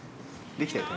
できたよ